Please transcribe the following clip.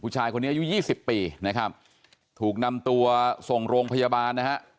ชายคนนี้อายุยี่สิบปีนะครับถูกนำตัวส่งโรงพยาบาลนะฮะ